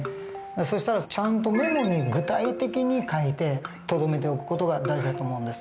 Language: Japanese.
そしたらちゃんとメモに具体的に書いてとどめておく事が大事だと思うんです。